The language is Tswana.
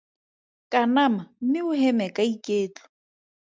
Kanama mme o heme ka iketlo.